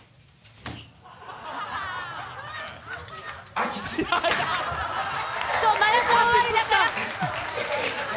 足つったマラソン終わりだから。